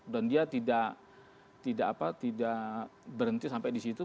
dan dia tidak berhenti sampai di situ